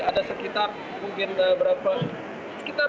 ada sekitar mungkin berapa sekitar sepuluh orang yang berkumpul di daerah manhattan ini